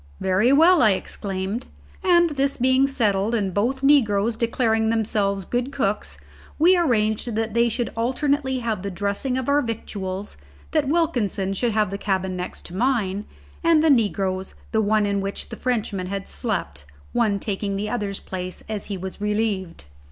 "Very well," I exclaimed; and this being settled, and both negroes declaring themselves good cooks, we arranged that they should alternately have the dressing of our victuals, that Wilkinson should have the cabin next mine, and the negroes the one in which the Frenchman had slept, one taking the other's place as he was relieved.